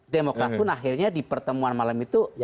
demokrat pun akhirnya di pertemuan malam itu